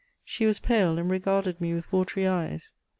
She was pale, and regarded me with watery eyes.